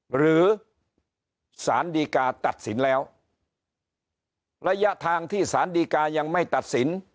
หรือสารดีกาตัดสินแล้วระยะทางที่สารดีกายังไม่ตัดสิน